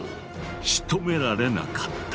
しとめられなかった。